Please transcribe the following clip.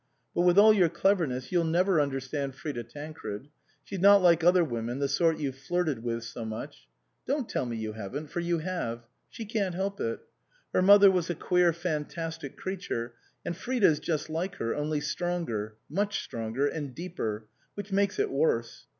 But with all your cleverness you'll never under stand Frida Tancred. She's not like other women, the sort you've flirted with so much. Don't tell me you haven't ; for you have. She can't help it. Her mother was a queer fantastic creature, and Frida's just like her, only stronger, much stronger, and deeper, which makes it worse.